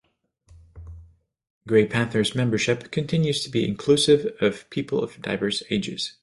Gray Panthers membership continues to be inclusive of people of diverse ages.